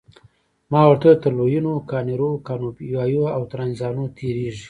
ما ورته وویل تر لویینو، کانیرو، کانوبایو او ترانزانو تیریږئ.